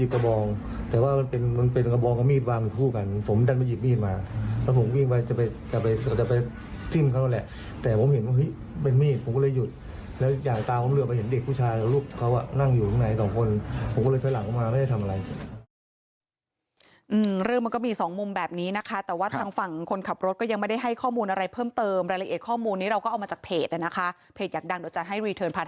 ของคนผมก็เลยไปหลังเข้ามาว่าจะได้ทำอะไร